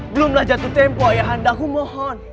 belumlah jatuh tempo ayahanda aku mohon